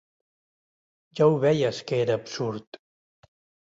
Ja ho veies, que era absurd.